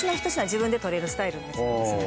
自分で取れるスタイルのお店なんですね。